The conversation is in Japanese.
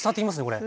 これ。